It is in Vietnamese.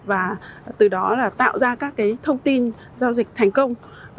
và từ đó là tạo ra các cái thông tin giao dịch thành công